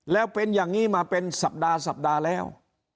แล้วเป็นอย่างนี้มาเป็นสัปดาห์สัปดาห์แล้ว